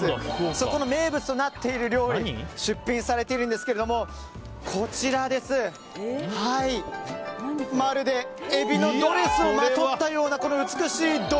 そこの名物となっている料理出品されているんですけどもまるでエビのドレスをまとったようなこの美しい。